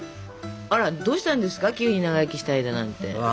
あらどうしたんですか急に長生きしたいだなんて。